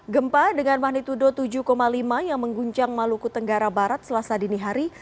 gempa dengan magnitudo tujuh lima yang mengguncang maluku tenggara barat selasa dini hari